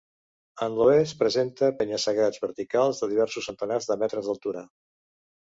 En l'oest presenta penya-segats verticals de diversos centenars de metres d'altura.